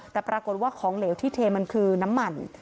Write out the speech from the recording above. แต่ปรากฏว่าของเหลวที่เทมันคือน้ำมัน